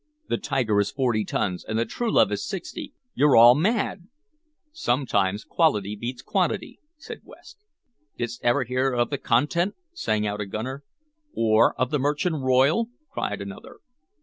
The Tiger is forty tons, and the Truelove is sixty. You 're all mad!" "Sometimes quality beats quantity," said West. "Didst ever hear of the Content?" sang out a gunner. "Or of the Merchant Royal?" cried another.